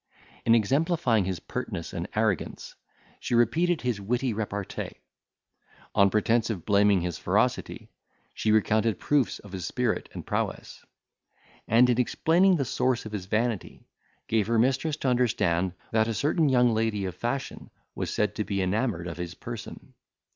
In exemplifying his pertness and arrogance, she repeated his witty repartee; on pretence of blaming his ferocity, she recounted proofs of his spirit and prowess; and, in explaining the source of his vanity, gave her mistress to understand, that a certain young lady of fashion was said to be enamoured of his person.